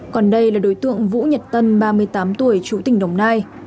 còn đây là đối tượng vũ nhật tân ba mươi tám tuổi chú tỉnh đồng nai